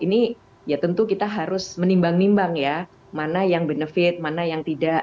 ini ya tentu kita harus menimbang nimbang ya mana yang benefit mana yang tidak